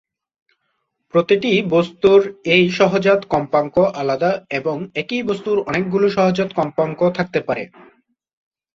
প্রতিটি বস্তুর এই সহজাত কম্পাঙ্ক আলাদা এবং একই বস্তুর অনেকগুলি সহজাত কম্পাঙ্ক থাকতে পারে।